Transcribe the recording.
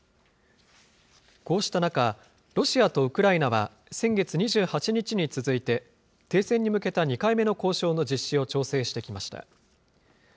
こうした中、ロシアとウクライナは先月２８日に続いて、停戦に向けた２回目の交渉の実施を調整してきました。